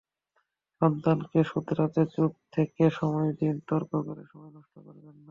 সন্তানকে শোধরাতে চুপ থেকে সময় দিন, তর্ক করে সময় নষ্ট করবেন না।